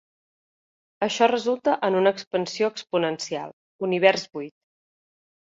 Això resulta en una expansió exponencial, Univers buit.